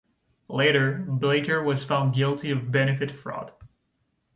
Later Blacker was found guilty of benefit fraud.